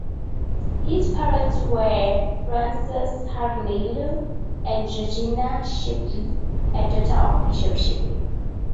His parents were Francis Hare-Naylor and Georgina Shipley, a daughter of Bishop Shipley.